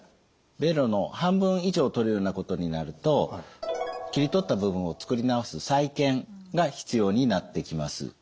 ベロの半分以上を取るようなことになると切り取った部分を作り直す再建が必要になってきます。